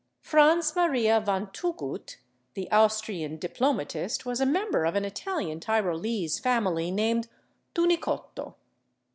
Franz Maria von /Thugut/, the Austrian diplomatist, was a member of an Italian Tyrolese family named /Tunicotto